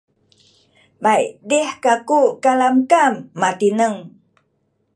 maydih kaku kalamkam matineng